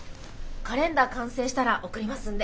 カレンダー完成したら送りますんで。